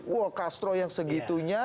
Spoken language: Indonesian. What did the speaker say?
wow castro yang segitunya